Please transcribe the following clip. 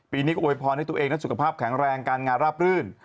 ปีนี้ก็อวยพรให้ตัวเองนั้นสุขภาพแข็งแรงการงานราบรื่น